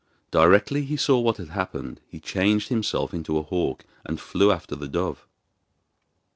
Directly he saw what had happened he changed himself into a hawk and flew after the dove.